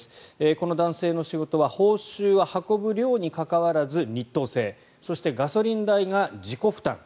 この男性の仕事は報酬は運ぶ量に関わらず日当制そして、ガソリン代が自己負担。